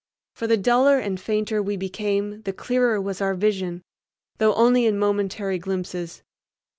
For the duller and fainter we became the clearer was our vision, though only in momentary glimpses.